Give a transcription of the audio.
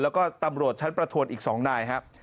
แล้วก็ตำรวจชั้นประทวนอีก๒นายครับ